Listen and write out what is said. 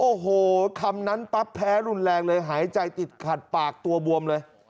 โอ้โหคำนั้นปั๊บแพ้รุนแรงเลยหายใจติดขัดปากตัวบวมเลย